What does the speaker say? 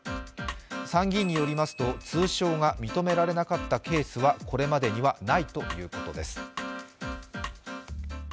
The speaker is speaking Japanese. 参議院によりますと、通称が認められなかったケースはこれまでにはないということです。